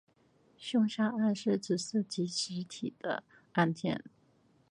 凶杀案是指涉及死体的案件。